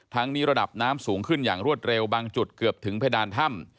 นี้ระดับน้ำสูงขึ้นอย่างรวดเร็วบางจุดเกือบถึงเพดานถ้ำ